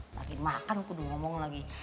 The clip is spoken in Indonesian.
tadi makan aku udah ngomong lagi